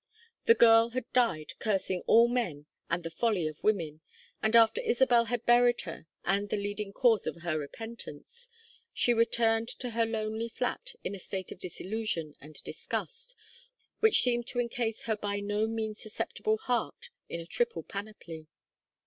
The girl had died cursing all men and the folly of women, and after Isabel had buried her and the leading cause of her repentance, she returned to her lonely flat in a state of disillusion and disgust which seemed to encase her by no means susceptible heart in a triple panoply.